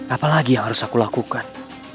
apa lagi yang harus aku lakukan